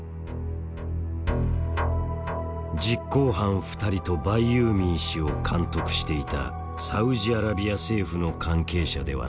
実行犯２人とバイユーミー氏を監督していたサウジアラビア政府の関係者ではないか。